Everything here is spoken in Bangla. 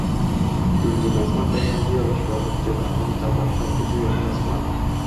দিন দিন স্মার্ট টেকনোলজি আবিষ্কার হচ্ছে, আমাদের চারপাশের সবকিছুই এখন স্মার্ট।